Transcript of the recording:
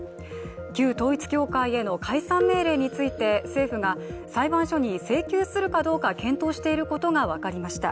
旧統一教会への解散命令について政府が、裁判所に請求するかどうか検討していることがわかりました。